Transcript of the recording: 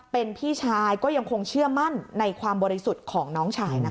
เป็นพี่ชายก็ยังคงเชื่อมั่นในความบริสุทธิ์ของน้องชายนะคะ